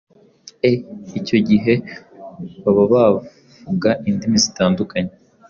e icyo gihe baba bavuga indimi zitandukanye,